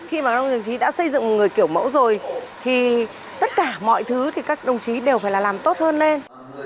khi mà ông đồng chí đã xây dựng người kiểu mẫu rồi thì tất cả mọi thứ thì các đồng chí đều phải là làm tốt hơn lên